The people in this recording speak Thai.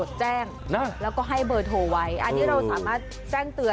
วิทยาลัยศาสตร์อัศวิทยาลัยศาสตร์